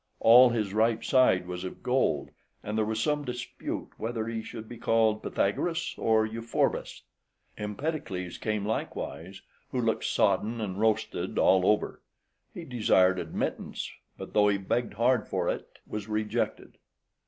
All his right side was of gold, and there was some dispute whether he should be called Pythagoras or Euphorbus. Empedocles came likewise, who looked sodden and roasted all over. He desired admittance, but though he begged hard for it, was rejected.